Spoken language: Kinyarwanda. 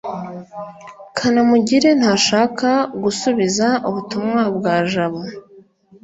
kanamugire ntashaka gusubiza ubutumwa bwa jabo